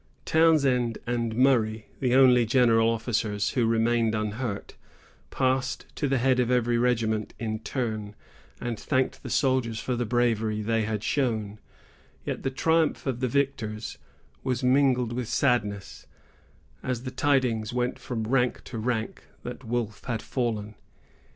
Townshend and Murray, the only general officers who remained unhurt, passed to the head of every regiment in turn, and thanked the soldiers for the bravery they had shown; yet the triumph of the victors was mingled with sadness, as the tidings went from rank to rank that Wolfe had fallen.